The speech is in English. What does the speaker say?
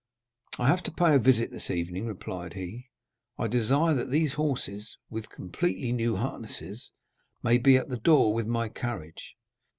"I have to pay a visit this evening," replied he. "I desire that these horses, with completely new harness, may be at the door with my carriage."